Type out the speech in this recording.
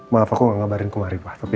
maaf aku gak ngabarin ke maripah tapi